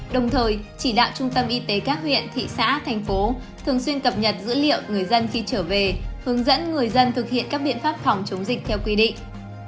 đồng thời chỉ đạo trung tâm y tế các huyện thị xã thành phố thường xuyên cập nhật dữ liệu người dân khi trở về hướng dẫn người dân thực hiện các biện pháp phòng chống dịch theo quy định